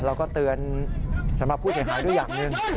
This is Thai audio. เราก็เตือนสำหรับผู้เสียหายด้วยอย่างหนึ่ง